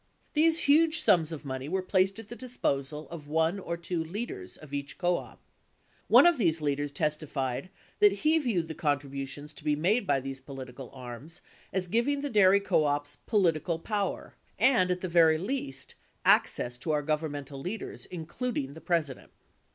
These huge sums of money were placed at the disposal of one or two leaders of each co op. One of these leaders testified that he viewed the contribu tions to be made by these political arms as giving the dairy co ops "political poAver" and, at the very least, access to our governmental leaders, including the President.